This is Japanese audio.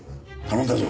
頼んだぞ。